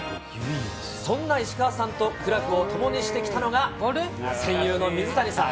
そんな石川さんと苦楽を共にしてきたのが、戦友の水谷さん。